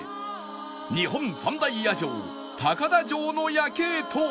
日本三大夜城高田城の夜景と